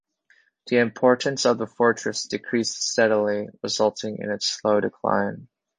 The importance of the fortress decreased steadily, resulting in its slow decline.